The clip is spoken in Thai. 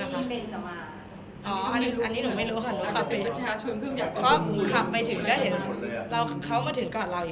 คือเหมือนไปเจ๊ทระลอกกันต่างยังไง